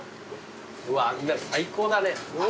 うわあんなの最高だね。